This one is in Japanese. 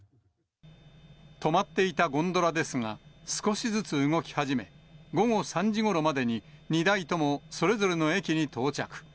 止まっていたゴンドラですが、少しずつ動き始め、午後３時ごろまでに２台ともそれぞれの駅に到着。